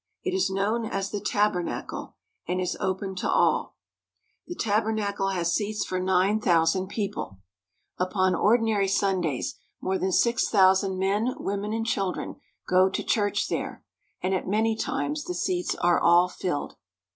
It is known as the tabernacle, and is open to all. The tabernacle has seats for nine SALT LAKE CITY. 261 Mormon Temple and Tabernacle. thousand people. Upon ordinary Sundays more than six thousand men, women, and children go to church there, and at many times the seats are all filled.